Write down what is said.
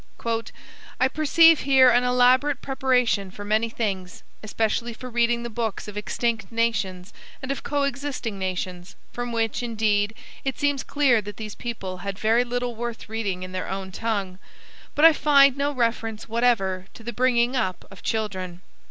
"I perceive here an elaborate preparation for many things; especially for reading the books of extinct nations and of coexisting nations (from which, indeed, it seems clear that these people had very little worth reading in their own tongue); but I find no reference whatever to the bringing up of children.